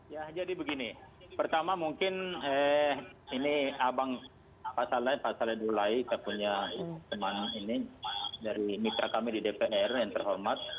ya jadi begini pertama mungkin ini abang saleh dulai kita punya teman ini dari mitra kami di dpr yang terhormat